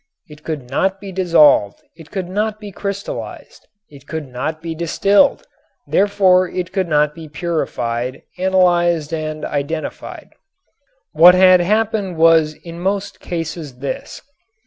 It could not be dissolved, it could not be crystallized, it could not be distilled, therefore it could not be purified, analyzed and identified. What had happened was in most cases this.